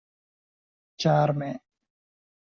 ĉarme